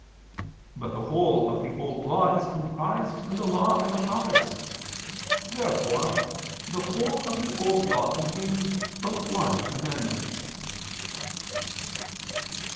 But the whole of the Old Law is comprised in the Law and the prophets. Therefore the whole of the Old Law contains but one commandment.